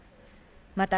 また、